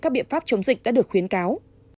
các biện pháp chống dịch đã được khuyến cáo